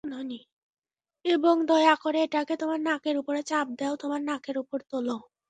এবং দয়া করে এটাকে তোমার নাকের উপরে চাপ দেও, তোমার নাকের উপরে তোল।